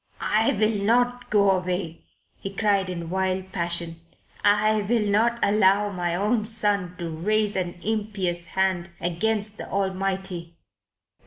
"I will not go away," he cried in wild passion. "I will not allow my own son to raise an impious hand against the Almighty."